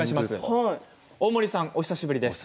大森さん、お久しぶりです。